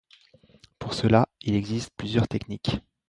Pour cela il existe plusieurs techniques.